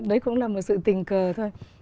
đấy cũng là một sự tình cờ thôi